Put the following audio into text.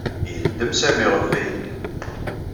Yendem Sami ɣef wayen-nni.